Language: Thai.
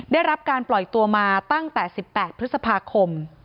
ได้รับการปล่อยตัวมาตั้งแต่๑๘พฤษภาคม